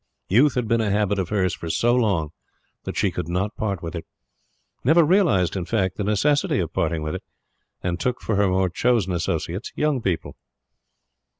Youth had been a habit of hers for so long, that she could not part with it never realized, in fact, the necessity of parting with it and took for her more chosen associates young people.